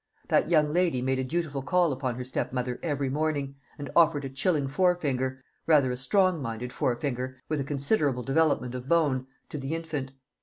That young lady made a dutiful call upon her stepmother every morning, and offered a chilling forefinger rather a strong minded forefinger, with a considerable development of bone to the infant.